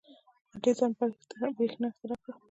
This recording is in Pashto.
• اډېسن برېښنا اختراع کړه.